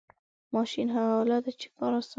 ماشین هغه آله ده چې کار آسانوي.